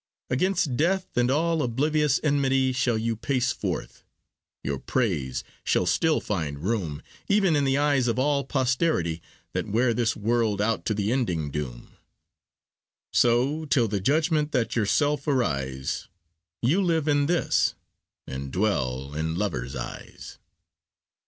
'Gainst death and all oblivious enmity Shall you pace forth; your praise shall still find room Even in the eyes of all posterity That wear this world out to the ending doom. So, till the judgement that yourself arise, You live in this, and dwell in lovers' eyes.